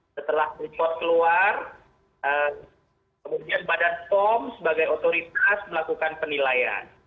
setelah freeport keluar kemudian badan pom sebagai otoritas melakukan penilaian